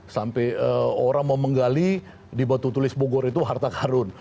sampai orang mau menggali di batu tulis bogor itu harta karun